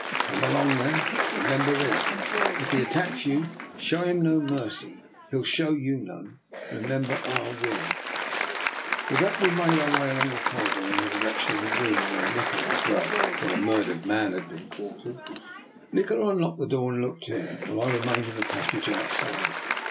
" Come along, then. But remember this: if he attacks you, show him no mercy. He'll show you none. Remember Ah Win." With that we made our way along the corridor in the direction of the room where Nikola's — well, where the murdered man had been quartered. Nikola unlocked the door and looked in, while I remained in the passage outside.